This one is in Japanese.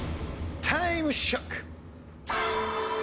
タイムショック！